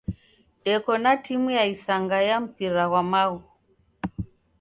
Deko na timu ya isanga ya mpira ghwa maghu.